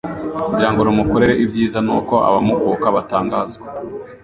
kugira ngo rumukorere ibyiza, nuko abamakuka batangazwa